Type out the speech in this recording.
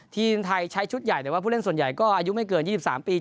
ทีมไทยใช้ชุดใหญ่แต่ว่าผู้เล่นส่วนใหญ่ก็อายุไม่เกิน๒๓ปี